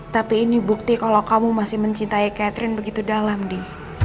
tapi ini bukti kalau kamu masih mencintai catherine begitu dalam di